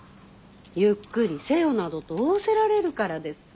ゆっくりせよなどと仰せられるからです。